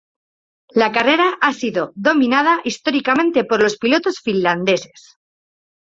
La carrera ha sido dominada históricamente por los pilotos finlandeses.